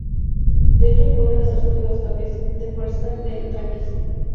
De hecho fue uno de los últimos toques de fuerza del franquismo.